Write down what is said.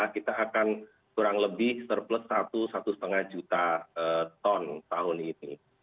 kita akan kurang lebih surplus satu satu lima juta ton tahun ini